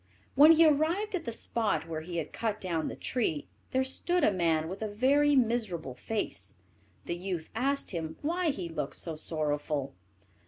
When he arrived at the spot where he had cut down the tree, there stood a man with a very miserable face. The youth asked him why he looked so sorrowful.